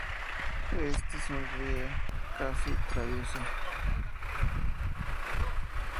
Éste sonríe casi travieso.